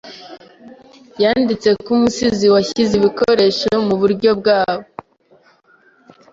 yanditse ko umusizi washyize ibikoresho muburyo bwabo